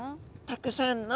たくさんの。